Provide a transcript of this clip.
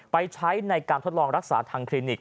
ใช้ในการทดลองรักษาทางคลินิก